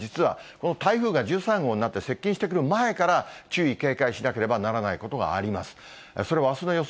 この台風が１３号になって接近してくる前から注意、警戒しなければならないことがあります。それはあすの予想